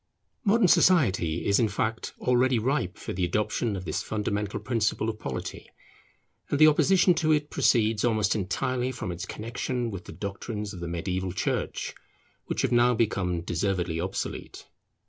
Modern society is, in fact, already ripe for the adoption of this fundamental principle of polity; and the opposition to it proceeds almost entirely from its connexion with the doctrines of the mediaeval church which have now become deservedly obsolete.